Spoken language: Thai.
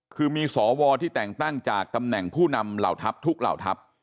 คือมีสวที่แต่งตั้งจากตำแหน่งผู้นำเหล่าทัพทุกเหล่าทัพ